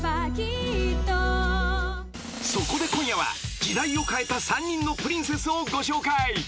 ［そこで今夜は時代を変えた３人のプリンセスをご紹介］